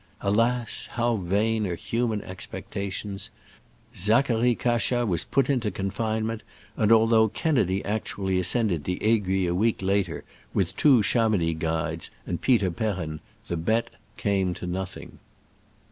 Alas! how vain are human expectations ! Zacharie Cachat was put into confinement, and although Kennedy actually ascended the aiguille a week later with two Chamounix guides and Peter Perm, the bet came to nothing.